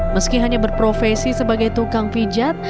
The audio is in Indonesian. meski hanya berprofesi sebagai tukang pijat